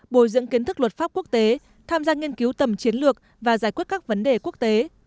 bồi dưỡng kiến thức luật pháp quốc tế tham gia nghiên cứu tầm chiến lược và giải quyết các vấn đề quốc tế